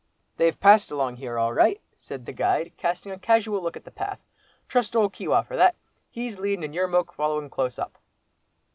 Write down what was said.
"They've passed along here all right," said the guide, casting a casual look at the path; "trust old Keewah for that, he's leadin' and your moke following close up."